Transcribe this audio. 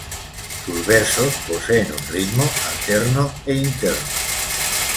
Sus versos poseen un ritmo alterno e interno.